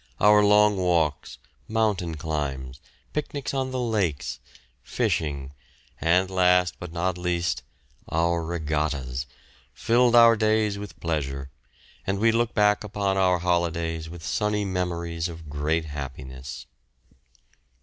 Our long walks, mountain climbs, picnics on the lakes, fishing, and last, but not least, our regattas, filled our days with pleasure, and we look back upon our holidays with sunny memories of great happiness.